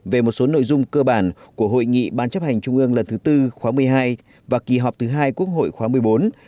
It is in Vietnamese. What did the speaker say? về một số nội dung cơ bản của hội nghị ban chấp hành trung ương lần thứ tư khóa một mươi hai và kỳ họp thứ hai quốc hội khóa một mươi bốn